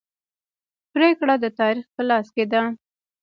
پریکړه د تاریخ په لاس کې ده.